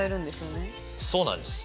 そうなんです。